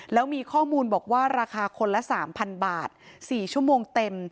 แล้วมีข้อมูลบอกว่าราคาคนละ๓๐๐บาท๔ชั่วโมงเต็ม